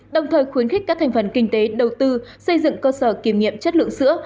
đồng thời khuyến khích các thành phần kinh tế đầu tư xây dựng cơ sở kiểm nghiệm chất lượng sữa